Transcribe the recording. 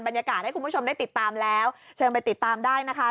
ให้คุณผู้ชมได้ติดตามแล้วเชิญไปติดตามได้นะคะ